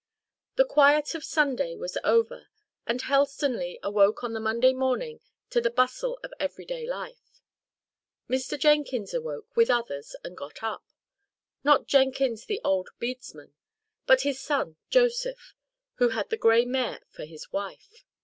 The quiet of Sunday was over, and Helstonleigh awoke on the Monday morning to the bustle of every day life. Mr. Jenkins awoke, with others, and got up not Jenkins the old bedesman, but his son Joseph, who had the grey mare for his wife.